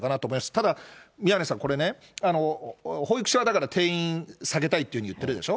ただ、宮根さん、これね、保育所はだから、定員下げたいって言ってるでしょ。